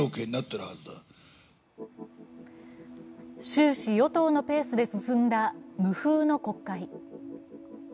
終始与党のペースで進んだ無風の国会。